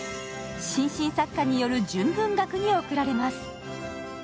新進作家による純文学に贈られます。